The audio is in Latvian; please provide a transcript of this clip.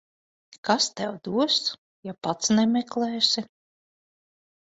Kas tev dos, ja pats nemeklēsi.